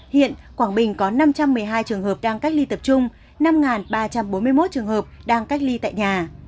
hiện quảng bình có năm trăm một mươi hai trường hợp đang cách ly tập trung năm ba trăm bốn mươi một trường hợp đang cách ly tại nhà